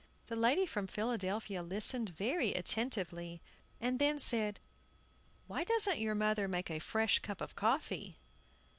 The lady from Philadelphia listened very attentively, and then said, "Why doesn't your mother make a fresh cup of coffee?"